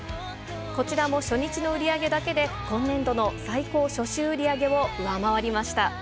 こちらも初日の売り上げだけで、今年度の最高初週売り上げを上回りました。